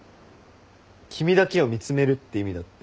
君だけを見つめるって意味だって。